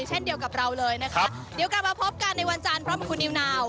เช่นเดียวกับเราเลยนะคะเดี๋ยวกลับมาพบกันในวันจันทร์พร้อมกับคุณนิวนาว